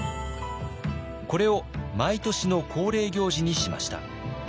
これを毎年の恒例行事にしました。